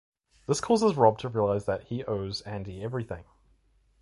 This causes Rob to realise that he owes Andy everything.